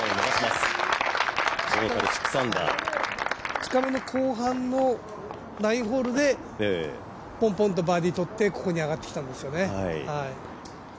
２日目の後半の９ホールでぽん、ぽんとバーディーとって、ここに上がってきたんですよね。